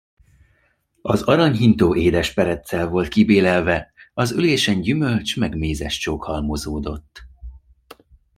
Az aranyhintó édes pereccel volt kibélelve, az ülésen gyümölcs meg mézescsók halmozódott.